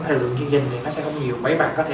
thời lượng kinh doanh này nó sẽ không nhiều mấy bạn có thể